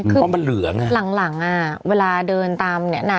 คือเพราะมันเหลือไงหลังหลังอ่ะเวลาเดินตามเนี่ยน่ะ